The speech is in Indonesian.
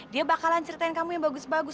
dia bakalan ceritain kamu yang bagus bagus